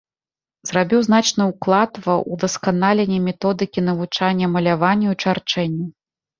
Зрабіў значны ўклад ва ўдасканаленне методыкі навучання маляванню і чарчэнню.